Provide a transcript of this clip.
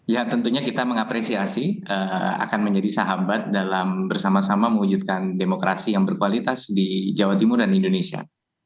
ya tentunya kita mengapresiasi akan menjadi sahabat dalam bersama sama mewujudkan demokrasi yang berkualitas di jawa timur dan indonesia